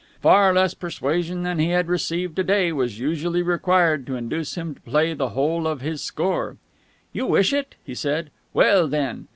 Far less persuasion than he had received to day was usually required to induce him to play the whole of his score. "You wish it?" he said. "Well, then!